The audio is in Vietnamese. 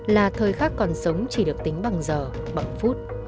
là thời khắc còn sống chỉ được tính bằng giờ bằng phút